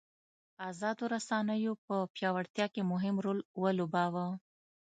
ازادو رسنیو په پیاوړتیا کې مهم رول ولوباوه.